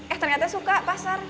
eh ternyata suka pasar